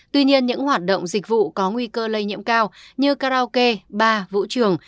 tuy nhiên những hoạt động dịch vụ có nguy cơ lây nhiễm cao như karaoke bar vũ trường